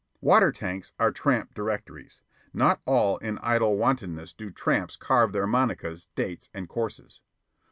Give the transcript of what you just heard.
Water tanks are tramp directories. Not all in idle wantonness do tramps carve their monicas, dates, and courses.